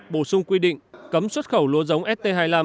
bổ sung quy định cấm xuất khẩu lúa giống st hai mươi năm